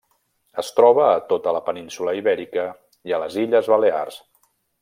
Es troba a tota la península Ibèrica i a les illes Balears.